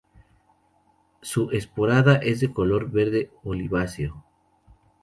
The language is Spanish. Su esporada es de color verde oliváceo.